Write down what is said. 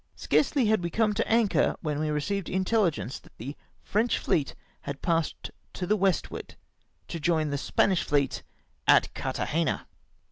Scarcely had we come to an anchor when w^e received intelligence that the French fleet had passed, to the w^estward to join the Spanish fleet at Carthagena